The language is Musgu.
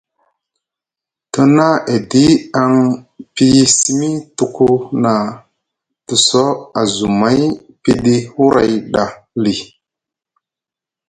Te na edi aŋ piyi simi tuku na te soo azumay piɗi huray ɗa lii.